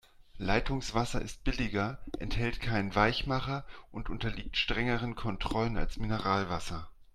Leitungswasser ist billiger, enthält keinen Weichmacher und unterliegt strengeren Kontrollen als Mineralwasser.